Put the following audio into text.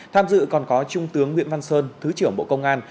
tham dự còn có trung tướng nguyễn văn sơn thứ trưởng bộ công an